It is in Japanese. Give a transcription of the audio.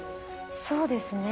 そうですね